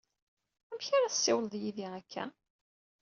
Amek ara tessiwleḍ yid-i akka?